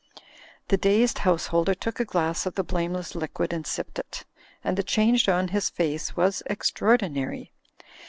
The dazed householder took a glass of the blame less liquid and sipped it; and the change on his face was extraordinary.